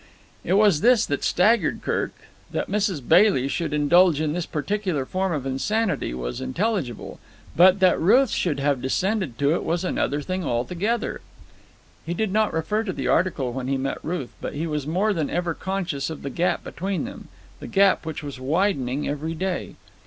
It was this that staggered Kirk. That Mrs. Bailey should indulge in this particular form of insanity was intelligible. But that Ruth should have descended to it was another thing altogether. He did not refer to the article when he met Ruth, but he was more than ever conscious of the gap between them—the gap which was widening every day.